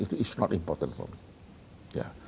itu tidak penting untuk saya